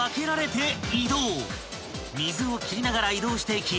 ［水を切りながら移動していき